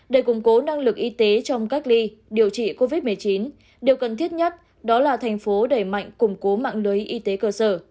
để củng cố năng lực y tế trong cách ly điều trị covid một mươi chín điều cần thiết nhất đó là thành phố đẩy mạnh củng cố mạng lưới y tế cơ sở